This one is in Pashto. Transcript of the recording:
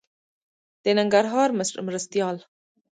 د ننګرهار مرستيال